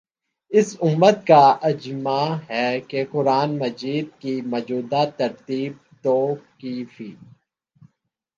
اس امت کا اجماع ہے کہ قرآن مجید کی موجودہ ترتیب توقیفی